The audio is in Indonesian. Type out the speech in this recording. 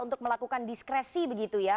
untuk melakukan diskresi begitu ya